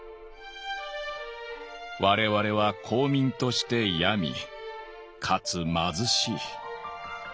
「我々は公民として病み且つ貧しい」。